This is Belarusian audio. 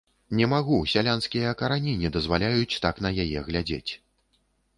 Не магу, сялянскія карані не дазваляюць так на яе глядзець.